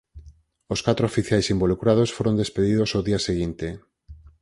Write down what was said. Os catro oficiais involucrados foron despedidos ao día seguinte.